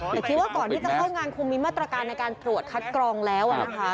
แต่คิดว่าก่อนที่จะเข้างานคงมีมาตรการในการตรวจคัดกรองแล้วนะคะ